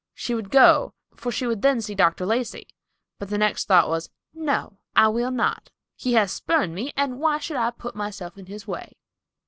She would go, for she would then see Dr. Lacey; but the next thought was, "No, I will not. He has spurned me, and why should I put myself in his way?"